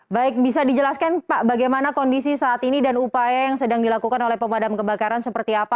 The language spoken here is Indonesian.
baik bisa dijelaskan pak bagaimana kondisi saat ini dan upaya yang sedang dilakukan oleh pemadam kebakaran seperti apa